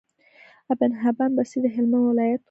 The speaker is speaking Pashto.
ابن حبان بستي د هلمند ولايت وو